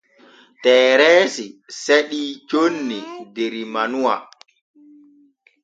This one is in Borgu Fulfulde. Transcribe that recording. Tereesi seɗii conni der manuwa.